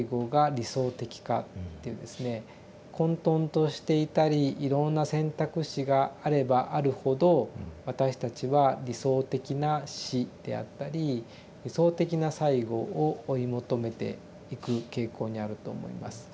混とんとしていたりいろんな選択肢があればあるほど私たちは理想的な死であったり理想的な最期を追い求めていく傾向にあると思います。